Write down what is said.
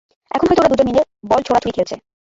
এখন হয়তো ওরা দুজনে মিলে বল ছোঁড়াছুঁড়ি খেলছে।